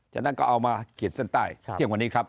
ฉะนั้นก็เอามาขีดเส้นใต้เที่ยงวันนี้ครับ